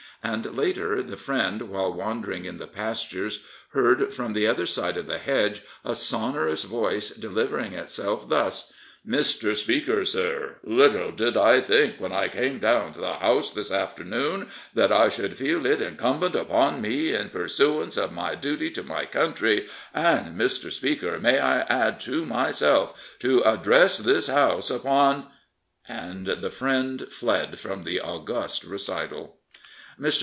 And later the friend, while wandering in the pastures, heard from the other side of the hedge a sonorous voice delivering itself thus: " Mr. Speaker — sir — Little did I think, when I came down to the House this afternoon, that I should feel it inci^ipbent upon me, in pursuance of my duty to my country, and, Mr. Speaker, may I add to myself, to address this House upon " and the friend fled from the august recital. Mr.